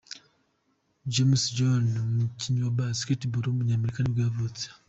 James Jones, umukinnyi wa basketbakll w’umunyamerika nibwo yavutse.